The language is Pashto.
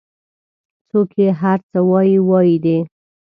څوک چې هر څه وایي وایي دي